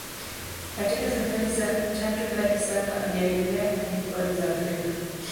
Katika safari za tatu hadi saba aliendelea hadi pwani za Afrika.